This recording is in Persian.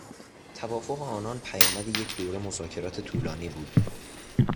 توافق آنان پیامد یک دوره مذاکرات طولانی بود.